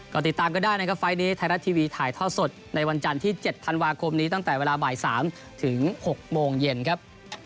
ก็ติดตามก็ได้นะครับไฟล์นี้ไทยรัฐทีวีถ่ายท่อสดในวันจันทร์ที่๗ธันวาคมนี้ตั้งแต่เวลาบ่าย๓ถึง๖โมงเย็นครับ